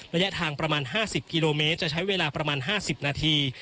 ระยะทางประมาณ๕๐กิโลเมตรจะใช้เวลาประมาณ๕๐นาที